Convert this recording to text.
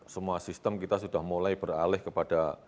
semua sistem kita sudah mulai beralih kepada